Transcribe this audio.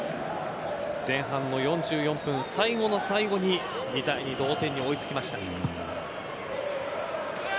前半の４４分、最後の最後に同点に追い付きました。